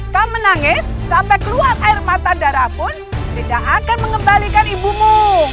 kau menangis sampai keluar air mata darah pun tidak akan mengembalikan ibumu